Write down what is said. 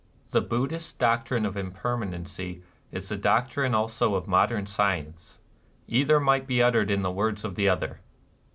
The Buddhist doctrine of impermanency is 264 NIRVANA the doctrine also of modern science : either might be uttered in the words of the other.